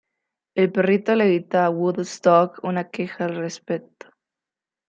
El perrito le dicta a Woodstock una queja al respecto.